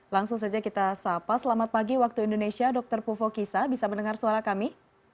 langsung saja kita sapa selamat pagi waktu indonesia dr pufo kisa bisa mendengar suara kami